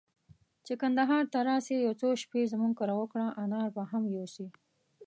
چي کندهار ته راسې، يو څو شپې زموږ کره وکړه، انار به هم يوسې.